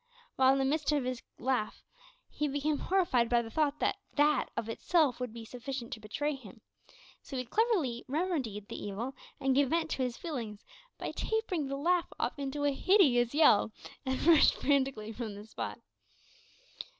While in the midst of this laugh, he became horrified by the thought that that of itself would be sufficient to betray him, so he cleverly remedied the evil, and gave vent to his feelings by tapering the laugh off into a hideous yell, and rushed frantically from the spot.